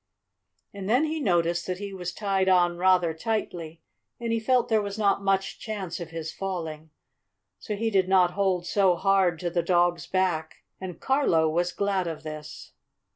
And then he noticed that he was tied on rather tightly, and he felt there was not much chance of his falling. So he did not hold so hard to the dog's back, and Carlo was glad of this.